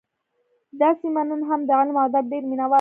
دا سیمه نن هم د علم او ادب ډېر مینه وال لري